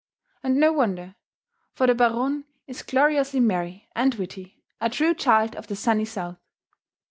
And no wonder, for the Baronne is gloriously merry and witty, a true child of the sunny South.